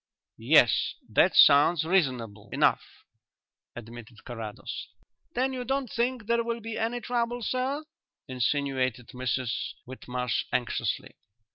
"Yes; that sounds reasonable enough," admitted Carrados. "Then you don't think there will be any trouble, sir?" insinuated Mrs Whitmarsh anxiously.